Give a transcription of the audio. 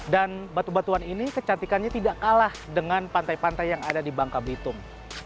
dan batu batuan ini kecantikannya tidak kalah dengan pantai pantai yang ada di bangka blitung